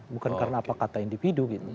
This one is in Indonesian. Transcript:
bukan karena apa kata individu gitu